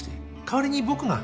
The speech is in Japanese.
代わりに僕が。